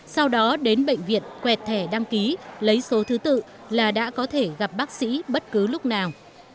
sau đó đến bệnh viện quẹt thẻ đăng ký lấy số thứ tự là đã có thể gặp bác sĩ bất cứ lúc nào